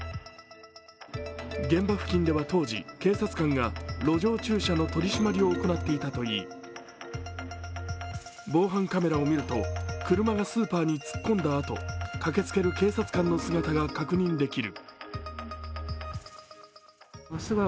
現場付近では当時、警察官が路上駐車の取り締まりを行っていたといい防犯カメラを見ると車がスーパーに突っ込んだあと、駆けつける警察官の姿が確認できる。